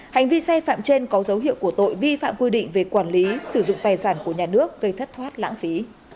hành vi sai phạm trên có dấu hiệu của tội vi phạm quy định về quản lý sử dụng tài sản của nhà nước gây thất thoát lãng phí